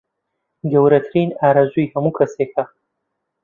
گەورەترین ئارەزووی هەموو کەسێکە